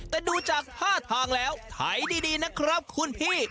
แต่ดูจากท่าทางแล้วถ่ายดีนะครับคุณพี่